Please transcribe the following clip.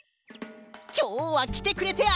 きょうはきてくれてありがとう！